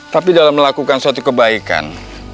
tapi dalam melakukan suatu kebaikan